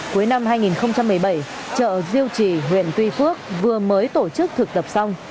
cuối năm hai nghìn một mươi bảy chợ diêu trì huyện tuy phước vừa mới tổ chức thực tập xong